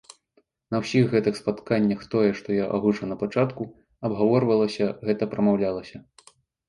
На ўсіх гэтых спатканнях тое, што я агучыў на пачатку, абгаворвалася, гэта прамаўлялася.